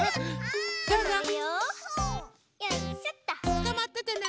つかまっててね！